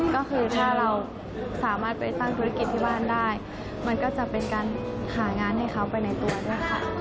ก็คือถ้าเราสามารถไปตั้งธุรกิจที่บ้านได้มันก็จะเป็นการหางานให้เขาไปในตัวด้วยค่ะ